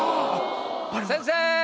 先生！